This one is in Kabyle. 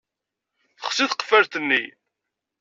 Texsi tqeffalt-nni.